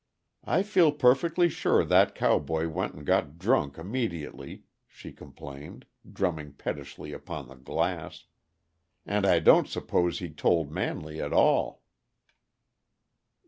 "I feel perfectly sure that cowboy went and got drunk immediately," she complained, drumming pettishly upon the glass. "And I don't suppose he told Manley at all."